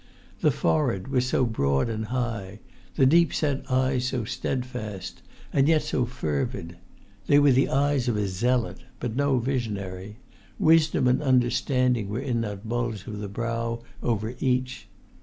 The forehead was so broad and high, the deep set eyes so steadfast, and yet so fervid! They were the eyes of a zealot, but no visionary: wisdom and understanding were in that bulge of the brow over each.